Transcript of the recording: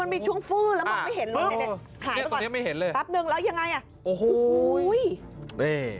มันมีช่วงฟื้อแล้วหมดไม่เห็นเลยขาดก่อนตรงนี้ไม่เห็นเลยปั๊บหนึ่งแล้วยังไง